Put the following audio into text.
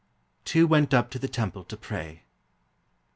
"TWO WENT UP TO THE TEMPLE TO PRAY."